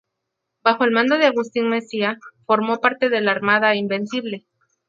Bajo el mando de Agustín Messía, formó parte de la Armada Invencible.